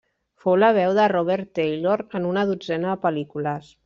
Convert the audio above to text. Fou la veu de Robert Taylor en una dotzena de pel·lícules.